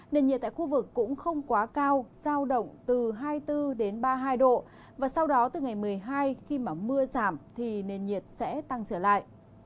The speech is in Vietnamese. nền nhiệt tại khu vực cũng không quá cao giao động từ hai mươi bốn đến ba mươi hai độ và sau đó từ ngày một mươi hai khi mà mưa giảm thì nền nhiệt sẽ tăng trở lại